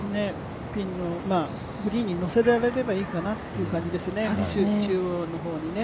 ピンのグリーンに乗せられればいいかなという感じですね、中央のね。